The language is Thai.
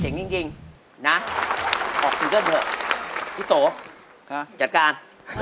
จริงนะออกซิงเกิ้ลเถอะพี่โตจัดการ